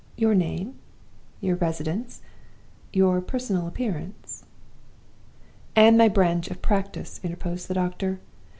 Your name, your residence, your personal appearance ?' "'And my branch of practice,' interposed the doctor.